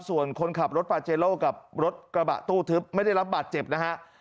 ส่วนคนขับรถปาเจโลกับรถกระบะตู้ทึบไม่ได้รับบาดเจ็บนะฮะ